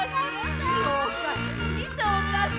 いとをかし。